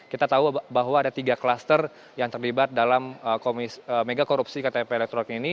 kita tahu bahwa ada tiga klaster yang terlibat dalam mega korupsi ktp elektronik ini